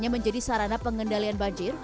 menjadi sarana pengendalian banjir